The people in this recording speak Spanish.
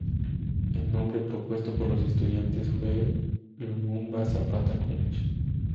El nombre propuesto por los estudiantes fue Lumumba-Zapata College.